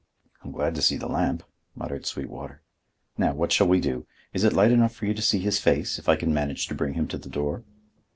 "I'm glad to see the lamp," muttered Sweetwater. "Now, what shall we do? Is it light enough for you to see his face, if I can manage to bring him to the door?"